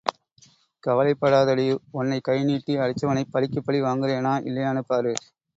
கவலப்படாதடி... ஒன்னைக் கைநீட்டி அடிச்சவனைப் பழிக்குப் பழி வாங்குறேனா இல்லியான்னு பாரு.